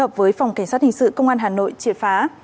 phối hợp với phòng cảnh sát hình sự công an hà nội triệt phá